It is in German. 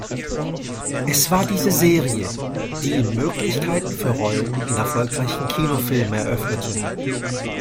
Es war diese Serie, die ihm Möglichkeiten für Rollen in erfolgreichen Kinofilmen eröffnete.